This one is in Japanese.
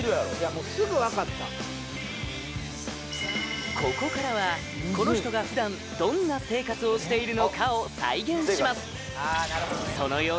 もうすぐわかったここからはこの人が普段どんな生活をしているのかを再現します